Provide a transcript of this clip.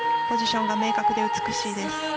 ポジションが明確で美しいです。